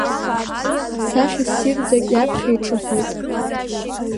Сахьа ссирӡак иаԥхьа иҿыхоит…